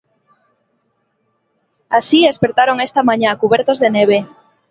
Así espertaron esta mañá, cubertos de neve.